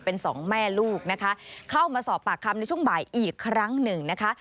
เป็นสองแม่ลูกนะคะเข้ามาสอบปากคำในช่วงบ่ายอีกครั้งหนึ่งนะคะ